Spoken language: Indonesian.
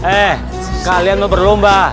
eh kalian mau berlomba